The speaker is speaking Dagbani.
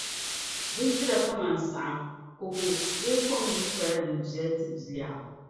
Bindira kaman’ saɣim, koko bee kɔm nyubu pala din viɛli n-ti bilɛɣu.